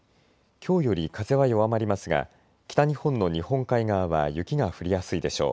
きょうより風は弱まりますが北日本の日本海側は雪が降りやすいでしょう。